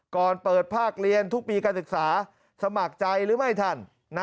ก่อนเปิดภาคเรียนทุกปีการศึกษาสมัครใจหรือไม่ท่าน